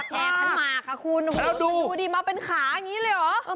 แห่ขันหมากค่ะคุณดูดิมาเป็นขาอย่างนี้เลยเหรอ